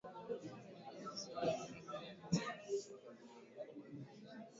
viongozi wa upinzani nchini yemen wamekataa kushiriki